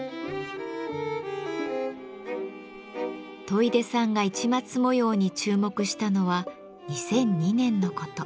戸出さんが市松模様に注目したのは２００２年のこと。